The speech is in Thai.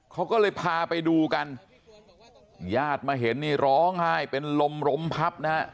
เขาก็เลยพาไปดูกันญาติมาเห็นนี่ร้องไห้เป็นลมลมพับนะฮะ